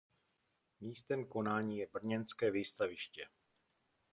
Místem konání je brněnské výstaviště.